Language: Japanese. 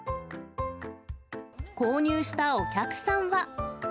購入したお客さんは。